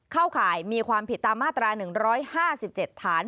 ข่ายมีความผิดตามมาตรา๑๕๗ฐาน